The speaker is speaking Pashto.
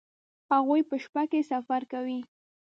هغوی په شپه کې سفر کوي